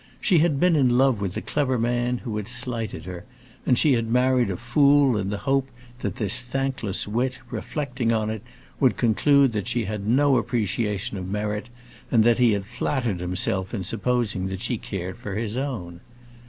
She had been in love with a clever man who had slighted her, and she had married a fool in the hope that this thankless wit, reflecting on it, would conclude that she had no appreciation of merit, and that he had flattered himself in supposing that she cared for his own.